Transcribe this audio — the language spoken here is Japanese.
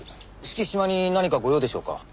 敷島に何かご用でしょうか？